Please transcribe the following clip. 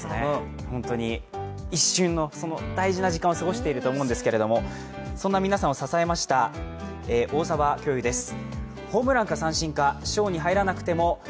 本当に一瞬の大事な時間を過ごしていると思うんですけどそんな皆さんを支えました大澤教諭です。